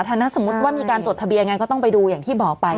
ถ้าสมมุติว่ามีการจดทะเบียนกันก็ต้องไปดูอย่างที่บอกไป